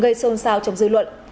gây xôn xao trong dư luận